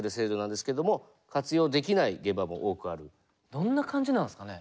どんな感じなんですかね。